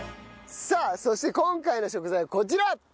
さあそして今回の食材はこちら！